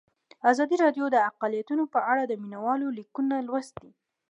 ازادي راډیو د اقلیتونه په اړه د مینه والو لیکونه لوستي.